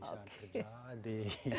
tidak bisa terjadi